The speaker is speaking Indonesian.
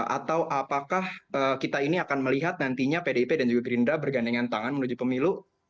atau apakah kita ini akan melihat nantinya pdip dan juga gerindra bergandengan tangan menuju pemilu